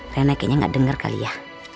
rena kayaknya gak denger kali ya